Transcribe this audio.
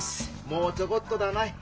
もうちょごっとだない。